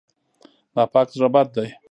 ناپاک زړه بد دی.